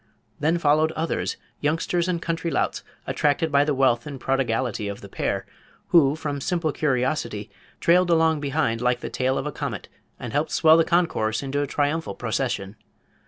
Then followed others, youngsters and country louts, attracted by the wealth and prodigality of the pair, who, from simple curiosity, trailed along behind like the tail of a comet and helped swell the concourse into a triumphal procession.